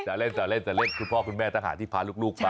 เดี๋ยวเล่นคุณพ่อคุณแม่ต้องหาที่พาลูกไป